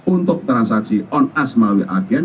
untuk transaksi on us melalui agen